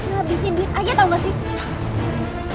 habisin duit aja tau gak sih